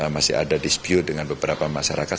masih ada dispute dengan beberapa masyarakat